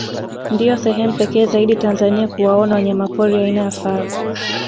Ndio sehemu pekee zaidi Tanzania kuwaona wanyamapori aina ya faru